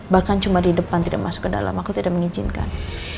bahkan cuma di depan tidak masuk ke dalam aku tidak mengizinkan